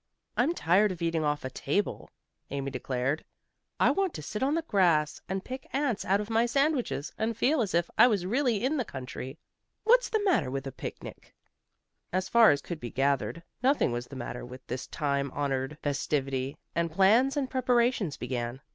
"I'm tired of eating off a table," Amy declared. "I want to sit on the grass, and pick ants out of my sandwiches, and feel as if I was really in the country. What's the matter with a picnic?" As far as could be gathered, nothing was the matter with this time honored festivity, and plans and preparations began.